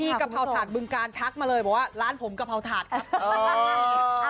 ที่กระเพาถาจบริงการย์ทักมาเลยบอกว่าร้านผมกะเพาถาครับ